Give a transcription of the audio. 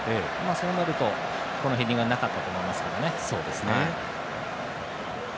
そうなると、このヘディングはなかったと思いますね。